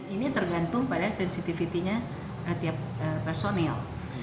ini tergantung pada sensitivitinya tiap personel